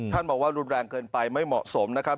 บอกว่ารุนแรงเกินไปไม่เหมาะสมนะครับ